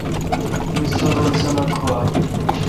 می سر رل سمہ کھو اؘ۔